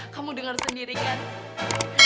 kamu jangan pernah percaya sama indira